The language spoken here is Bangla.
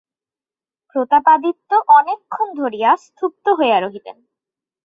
প্রতাপাদিত্য অনেকক্ষণ ধরিয়া স্তব্ধ হইয়া রহিলেন।